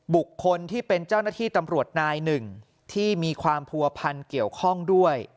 บุคคลที่เป็นเจ้าหน้าที่ตำรวจนายหนึ่งที่มีความผัวพันธ์เกี่ยวข้องด้วย